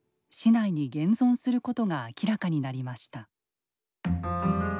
市内に現存することが明らかになりました。